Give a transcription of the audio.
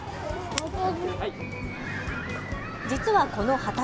実はこの畑。